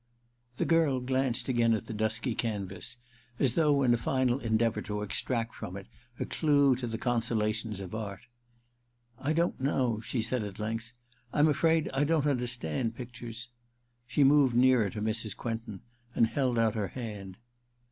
The girl glanced again at the dusky canvas, as though in a final endeavour to extract from it a clue to the consolations of art. ^ I don't know,' she said at length ;* I'm afraid I don't understand pictures.' She moved nearer to Mrs, Quentin and held out her hand.